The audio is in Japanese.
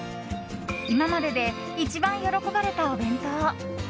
今までで一番喜ばれたお弁当。